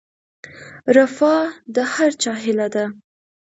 رفاه د هر چا هیله ده